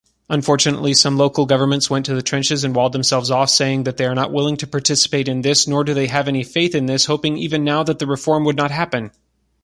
Unfortunately some local governments went to the trenches and walled themselves off, saying that they are not willing to participate in this nor do they have any faith in this, hoping even now that the reform would not happen.